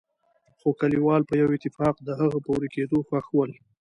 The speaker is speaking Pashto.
خو کليوال په يوه اتفاق د هغه په ورکېدو خوښ ول.